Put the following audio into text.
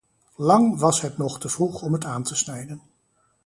Lang was het nog te vroeg om het aan te snijden.